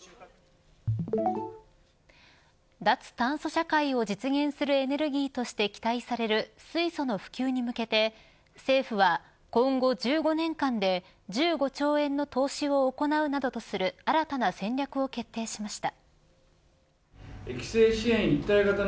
脱炭素社会を実現するエネルギーとして期待される水素の普及に向けて政府は今後１５年間で１５兆円の投資を行うなどとする新たな戦略を決定しました。